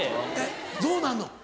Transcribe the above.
どうなんの？